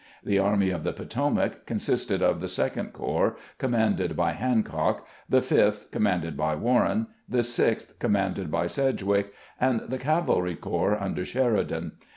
The Army of the Potomac consisted of the Second Corps, commanded by Hancock ; the Fifth, com manded by Warren ; the Sixth, commanded by Sedg wick ; and the cavalry corps under Sheridan.